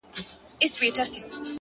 و تاسو ته يې سپين مخ لارښوونکی، د ژوند،